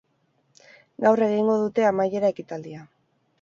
Gaur egingo dute amaiera ekitaldia.